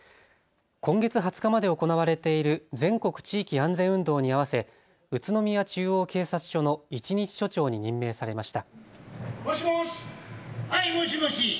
今月２０日まで行われている全国地域安全運動に合わせ宇都宮中央警察署の一日署長に任命されました。